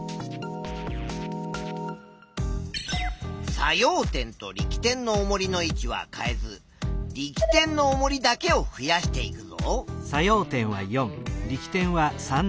作用点と力点のおもりの位置は変えず力点のおもりだけを増やしていくぞ。